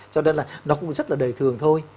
cho nên là nó cũng rất là đời thường thôi